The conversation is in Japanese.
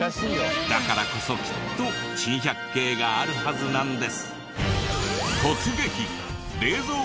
だからこそきっと珍百景があるはずなんです。